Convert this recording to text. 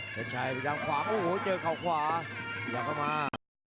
เป็นชัยพยายามขวางโอ้โหเจอเขาขวาอยากเข้ามา